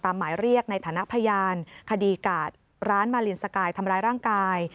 หมายเรียกในฐานะพยานคดีกาดร้านมาลินสกายทำร้ายร่างกาย